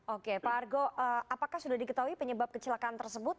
oke pak argo apakah sudah diketahui penyebab kecelakaan tersebut